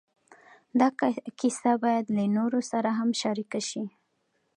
دا کیسه باید له نورو سره هم شریکه شي.